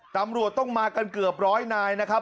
ตำรวจต้องมากันเกือบร้อยนายนะครับ